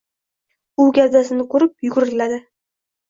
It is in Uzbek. U gavdasini ko‘rib yugurgiladi.